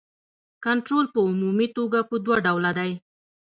کنټرول په عمومي توګه په دوه ډوله دی.